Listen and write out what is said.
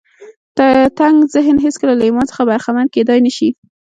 تنګ ذهن هېڅکله له ایمان څخه برخمن کېدای نه شي